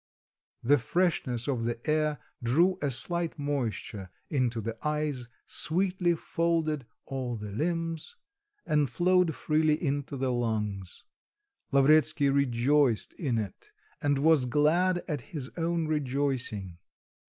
The freshness of the air drew a slight moisture into the eyes, sweetly folded all the limbs, and flowed freely into the lungs. Lavretsky rejoiced in it, and was glad at his own rejoicing.